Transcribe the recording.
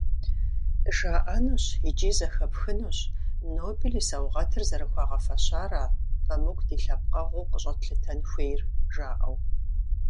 ЖаӀэнущ, икӀи зэхэпхынущ, Нобель и саугъэтыр зэрыхуагъэфэщара Памук ди лъэпкъэгъуу къыщӀэтлъытэн хуейр, жаӀэу.